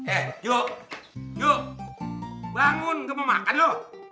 eh juk juk bangun gak mau makan lo